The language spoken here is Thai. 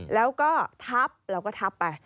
แล้วก็ทับเราก็ทับไป